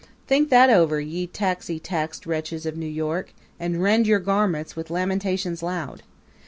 Think that over, ye taxitaxed wretches of New York, and rend your garments, with lamentations loud!